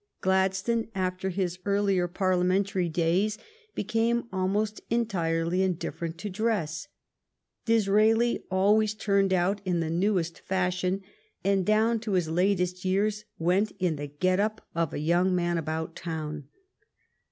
Gladstone, after his earlier Parliamentary l6o THE STORY OF GLADSTONE'S LIFE days, became almost entirely indifferent to dress. Disraeli always turned out in the newest fashion, and down to his latest years went in the get up of a young man about town.